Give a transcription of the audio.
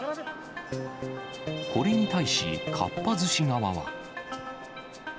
これに対し、かっぱ寿司側は。